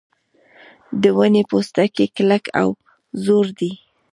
د ونې پوستکی کلک او زوړ دی.